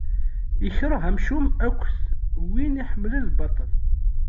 Ikreh amcum akked win iḥemmlen lbaṭel.